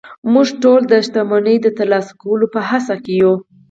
موږ ټول د شتمنۍ د ترلاسه کولو په هڅه کې يو